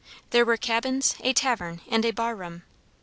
There were cabins, a tavern, and a bar room.